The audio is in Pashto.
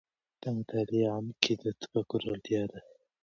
د مطالعې عمق کې د تفکر اړتیا ده.